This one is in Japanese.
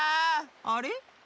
あれ？